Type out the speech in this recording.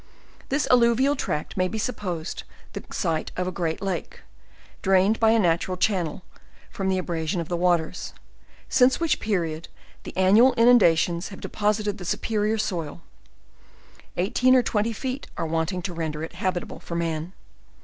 This alluvial tract may be supposed the site of a great lake, drained by a na tural channel, from the abrasion of the waters: since which period, the annual inundations have deposited the superior soil; eighteen or twenty feet are wanting to render it habi table for man.